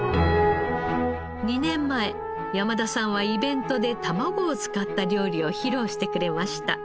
２年前山田さんはイベントで卵を使った料理を披露してくれました。